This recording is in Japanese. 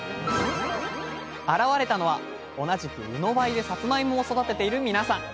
現れたのは同じくうのばいでさつまいもを育てているみなさん。